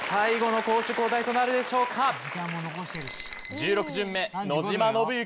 １６巡目野島伸幸